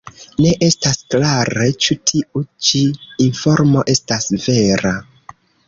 Ne estas klare, ĉu tiu ĉi informo estas vera.